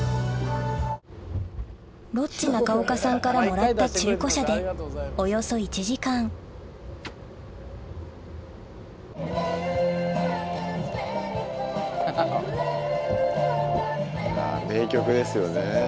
ロッチ・中岡さんからもらった中古車でおよそ１時間名曲ですよね。